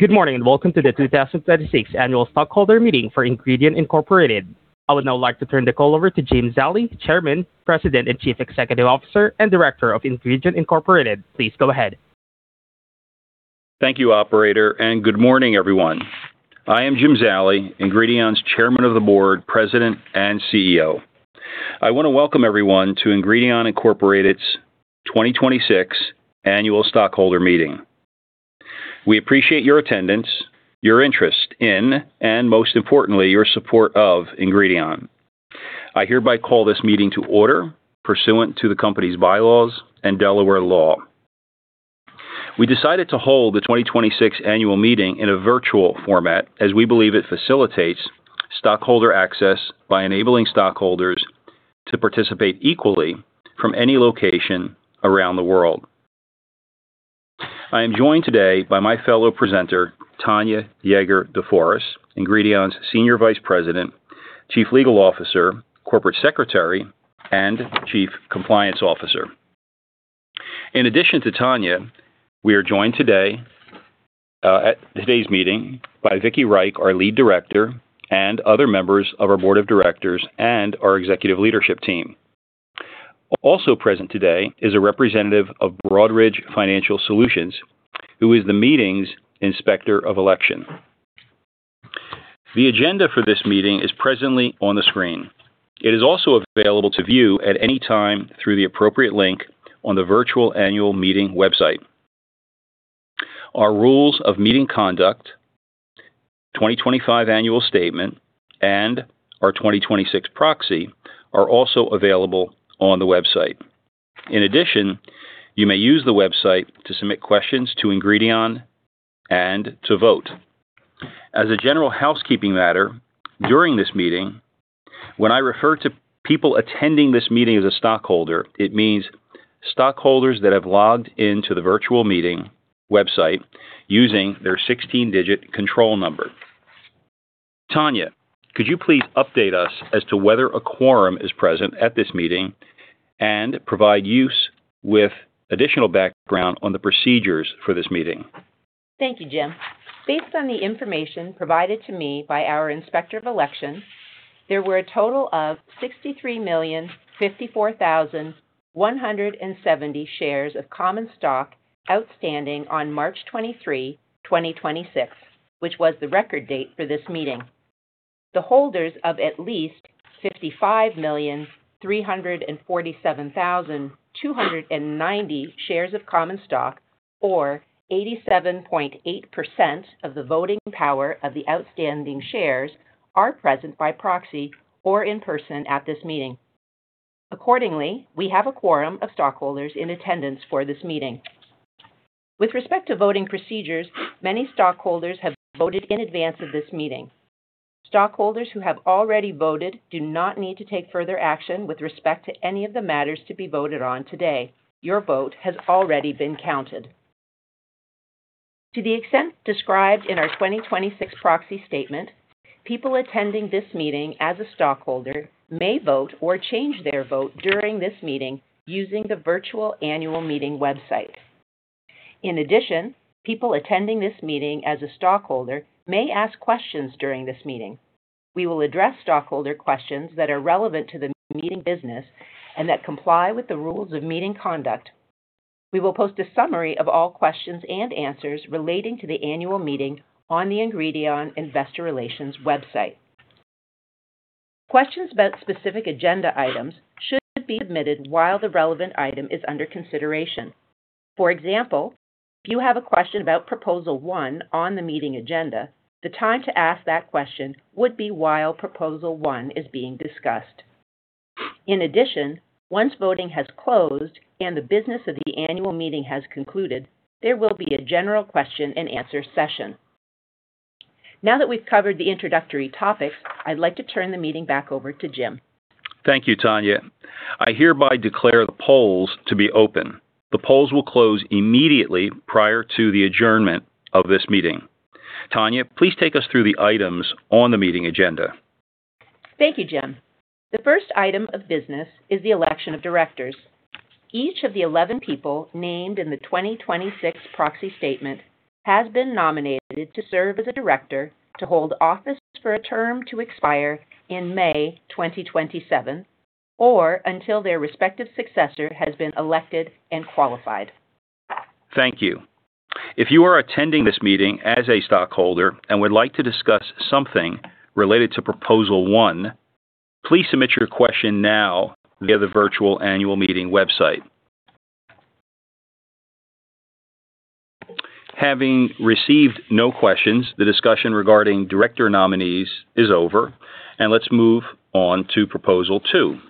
Good morning and welcome to the 2026 Annual Stockholder Meeting for Ingredion Incorporated. I would now like to turn the call over to James Zallie, Chairman, President and Chief Executive Officer, and Director of Ingredion Incorporated. Please go ahead. Thank you, operator, and good morning, everyone. I am Jim Zallie, Ingredion's Chairman of the Board, President, and CEO. I want to welcome everyone to Ingredion Incorporated's 2026 Annual Stockholder Meeting. We appreciate your attendance, your interest in, and most importantly, your support of Ingredion. I hereby call this meeting to order pursuant to the company's bylaws and Delaware law. We decided to hold the 2026 annual meeting in a virtual format as we believe it facilitates stockholder access by enabling stockholders to participate equally from any location around the world. I am joined today by my fellow presenter, Tanya Jaeger de Foras, Ingredion's Senior Vice President, Chief Legal Officer, Corporate Secretary, and Chief Compliance Officer. In addition to Tanya, we are joined today at today's meeting by Vicki Reich, our Lead Director, and other members of our Board of Directors and our executive leadership team. Also present today is a representative of Broadridge Financial Solutions, who is the meeting's Inspector of Election. The agenda for this meeting is presently on the screen. It is also available to view at any time through the appropriate link on the virtual annual meeting website. Our rules of meeting conduct, 2025 annual statement, and our 2026 proxy are also available on the website. In addition, you may use the website to submit questions to Ingredion and to vote. As a general housekeeping matter, during this meeting, when I refer to people attending this meeting as a stockholder, it means stockholders that have logged in to the virtual meeting website using their 16-digit control number. Tanya, could you please update us as to whether a quorum is present at this meeting and provide us with additional background on the procedures for this meeting? Thank you, Jim. Based on the information provided to me by our Inspector of Elections, there were a total of 63,054,170 shares of common stock outstanding on March 23, 2026, which was the record date for this meeting. The holders of at least 55,347,290 shares of common stock or 87.8% of the voting power of the outstanding shares are present by proxy or in person at this meeting. Accordingly, we have a quorum of stockholders in attendance for this meeting. With respect to voting procedures, many stockholders have voted in advance of this meeting. Stockholders who have already voted do not need to take further action with respect to any of the matters to be voted on today. Your vote has already been counted. To the extent described in our 2026 proxy statement, people attending this meeting as a stockholder may vote or change their vote during this meeting using the virtual annual meeting website. In addition, people attending this meeting as a stockholder may ask questions during this meeting. We will address stockholder questions that are relevant to the meeting business and that comply with the rules of meeting conduct. We will post a summary of all questions and answers relating to the annual meeting on the Ingredion Investor Relations website. Questions about specific agenda items should be submitted while the relevant item is under consideration. For example, if you have a question about Proposal one on the meeting agenda, the time to ask that question would be while Proposal one is being discussed. In addition, once voting has closed and the business of the annual meeting has concluded, there will be a general question and answer session. Now that we've covered the introductory topics, I'd like to turn the meeting back over to Jim. Thank you, Tanya. I hereby declare the polls to be open. The polls will close immediately prior to the adjournment of this meeting. Tanya, please take us through the items on the meeting agenda. Thank you, Jim. The first item of business is the election of directors. Each of the 11 people named in the 2026 proxy statement has been nominated to serve as a director to hold office for a term to expire in May 2027 or until their respective successor has been elected and qualified. Thank you. If you are attending this meeting as a stockholder and would like to discuss something related to Proposal one, please submit your question now via the virtual annual meeting website. Having received no questions, the discussion regarding director nominees is over. Let's move on to Proposal two. The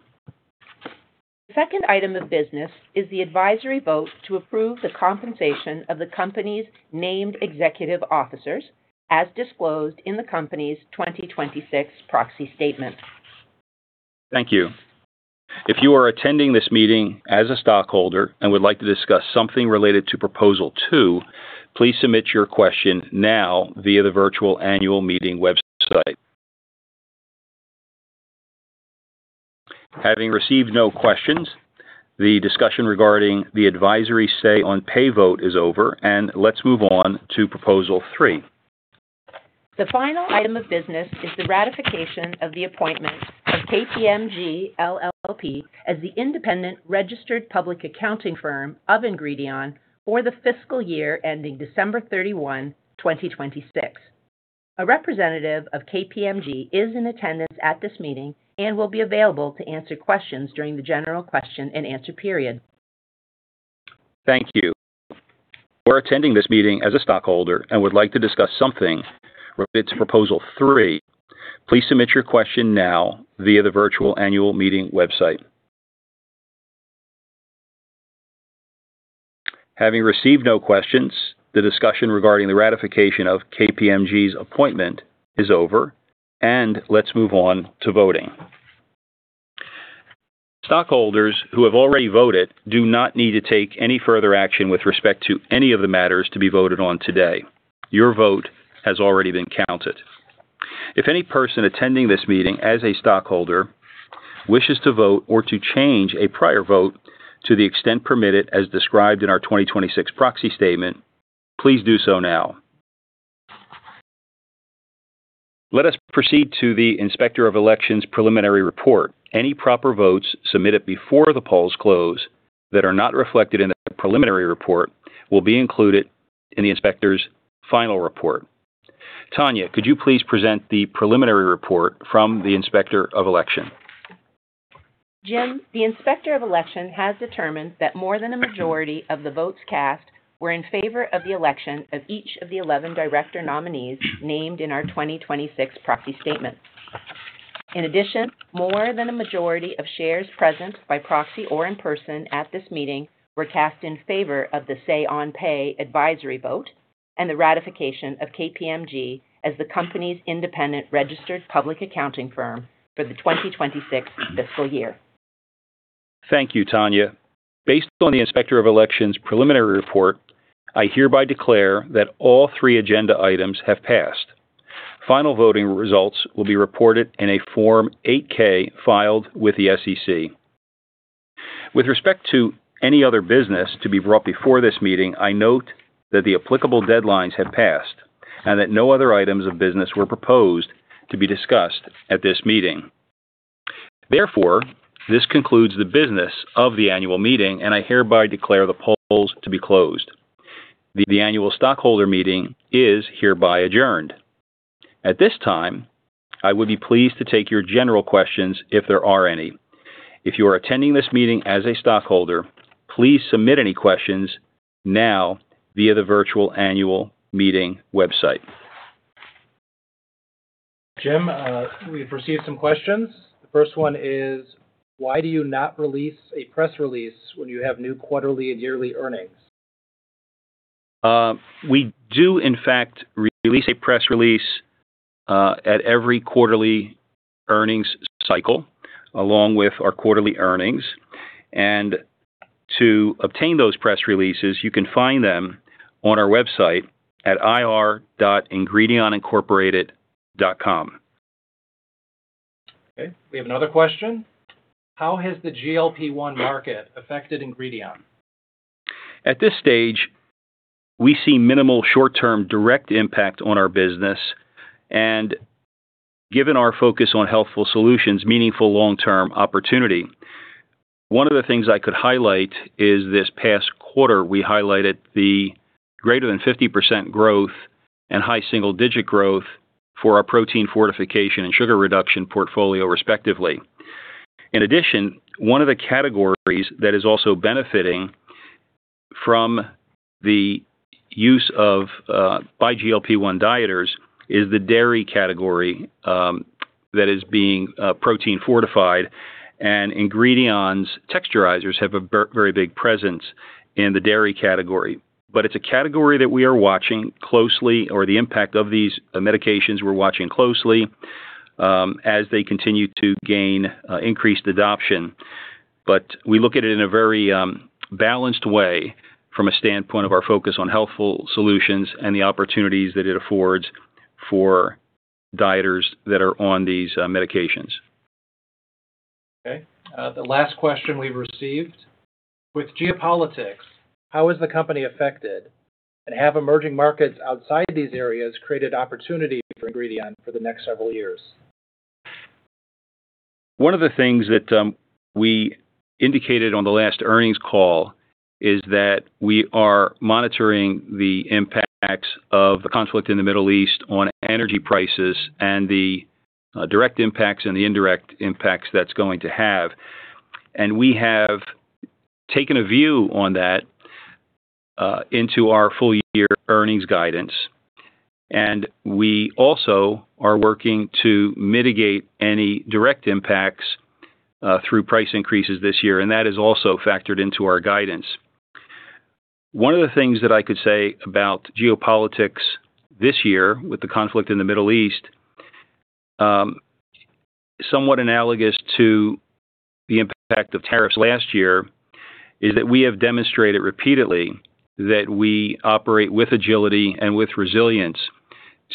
second item of business is the advisory vote to approve the compensation of the company's named executive officers, as disclosed in the company's 2026 proxy statement. Thank you. If you are attending this meeting as a stockholder and would like to discuss something related to Proposal two, please submit your question now via the virtual annual meeting website. Having received no questions, the discussion regarding the advisory say on pay vote is over. Let's move on to Proposal three. The final item of business is the ratification of the appointment of KPMG LLP as the independent registered public accounting firm of Ingredion for the fiscal year ending December 31, 2026. A representative of KPMG is in attendance at this meeting and will be available to answer questions during the general question and answer period. Thank you. If you are attending this meeting as a stockholder and would like to discuss something related to Proposal three, please submit your question now via the virtual annual meeting website. Having received no questions, the discussion regarding the ratification of KPMG's appointment is over, and let's move on to voting. Stockholders who have already voted do not need to take any further action with respect to any of the matters to be voted on today. Your vote has already been counted. If any person attending this meeting as a stockholder wishes to vote or to change a prior vote to the extent permitted as described in our 2026 proxy statement, please do so now. Let us proceed to the Inspector of Elections preliminary report. Any proper votes submitted before the polls close that are not reflected in the preliminary report will be included in the inspector's final report. Tanya, could you please present the preliminary report from the Inspector of Election? Jim, the Inspector of Election has determined that more than a majority of the votes cast were in favor of the election of each of the 11 director nominees named in our 2026 proxy statement. More than a majority of shares present by proxy or in person at this meeting were cast in favor of the say on pay advisory vote and the ratification of KPMG as the company's independent registered public accounting firm for the 2026 fiscal year. Thank you, Tanya. Based on the Inspector of Election's preliminary report, I hereby declare that all 3 agenda items have passed. Final voting results will be reported in a Form 8-K filed with the SEC. With respect to any other business to be brought before this meeting, I note that the applicable deadlines have passed and that no other items of business were proposed to be discussed at this meeting. This concludes the business of the annual meeting, and I hereby declare the polls to be closed. The annual stockholder meeting is hereby adjourned. At this time, I would be pleased to take your general questions, if there are any. If you are attending this meeting as a stockholder, please submit any questions now via the virtual annual meeting website. Jim, we've received some questions. The first one is, why do you not release a press release when you have new quarterly and yearly earnings? We do in fact release a press release at every quarterly earnings cycle, along with our quarterly earnings. To obtain those press releases, you can find them on our website at ir.ingredionincorporated.com. Okay, we have another question. How has the GLP-1 market affected Ingredion? At this stage, we see minimal short-term direct impact on our business and, given our focus on healthful solutions, meaningful long-term opportunity. One of the things I could highlight is this past quarter, we highlighted the greater than 50% growth and high single-digit growth for our protein fortification and sugar reduction portfolio, respectively. One of the categories that is also benefiting from the use by GLP-1 dieters is the dairy category that is being protein fortified, and Ingredion's texturizers have a very big presence in the dairy category. It's a category that we are watching closely, or the impact of these medications we're watching closely as they continue to gain increased adoption. We look at it in a very balanced way from a standpoint of our focus on healthful solutions and the opportunities that it affords for dieters that are on these medications. Okay. The last question we received. With geopolitics, how is the company affected? Have emerging markets outside these areas created opportunity for Ingredion for the next several years? One of the things that we indicated on the last earnings call is that we are monitoring the impacts of the conflict in the Middle East on energy prices and the direct impacts and the indirect impacts that's going to have. We have taken a view on that into our full-year earnings guidance, and we also are working to mitigate any direct impacts through price increases this year, and that is also factored into our guidance. One of the things that I could say about geopolitics this year with the conflict in the Middle East, somewhat analogous to the impact of tariffs last year, is that we have demonstrated repeatedly that we operate with agility and with resilience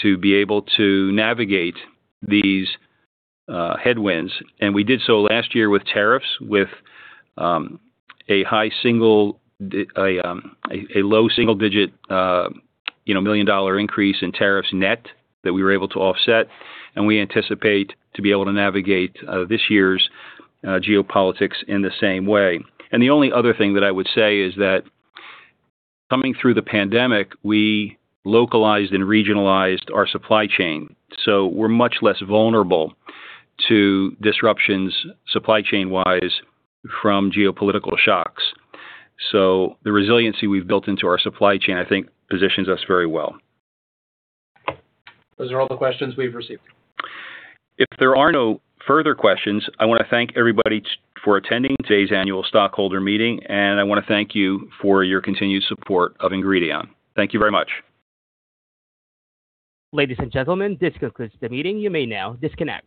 to be able to navigate these headwinds. We did so last year with tariffs with a low single-digit million-dollar increase in tariffs net that we were able to offset, and we anticipate to be able to navigate this year's geopolitics in the same way. The only other thing that I would say is that coming through the pandemic, we localized and regionalized our supply chain. We're much less vulnerable to disruptions supply chain wise from geopolitical shocks. The resiliency we've built into our supply chain, I think, positions us very well. Those are all the questions we've received. If there are no further questions, I want to thank everybody for attending today's annual stockholder meeting, and I want to thank you for your continued support of Ingredion. Thank you very much. Ladies and gentlemen, this concludes the meeting. You may now disconnect.